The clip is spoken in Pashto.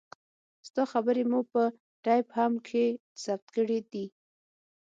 ستا خبرې مو په ټېپ هم کښې ثبت کړې دي.